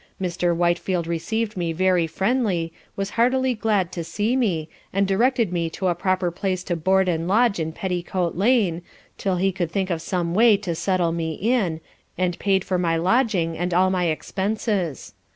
Mr. Whitefield receiv'd me very friendly, was heartily glad to see me, and directed me to a proper place to board and lodge in Petticoat Lane, till he could think of some way to settle me in, and paid for my lodging, and all my expences.